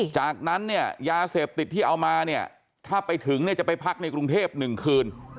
จากนั้นยาเสพติดที่เอามาถ้าไปถึงจะไปพักในกรุงเทพหนึ่งคืน